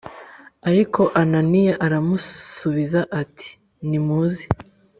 Ariko Ananiya arasubiza ati nimuze